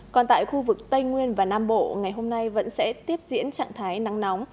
còn tại khu vực tây nguyên và nam bộ ngày hôm nay vẫn sẽ tiếp diễn trạng thái nắng nóng